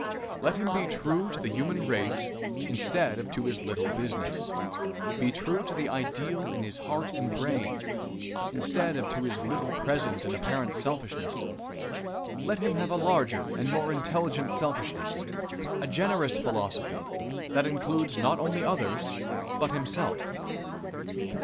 Let him be true to the human race instead of to his little business be true to the ideal in his heart and brain, instead of to his little present and apparent selfishness let him have a larger and more intelligent selfishness a generous philosophy, that includes not only others but himself.